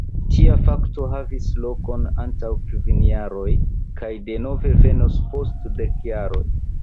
Tia fakto havis lokon antaŭ kvin jaroj kaj denove venos post dek jaroj.